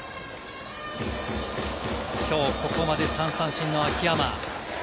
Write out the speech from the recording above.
きょうここまで３三振の秋山。